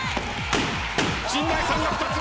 陣内さんが２つ割る。